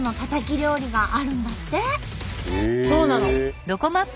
そうなの。